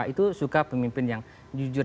itu suka pemimpin yang jujur